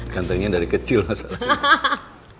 gantengnya dari kecil mas alang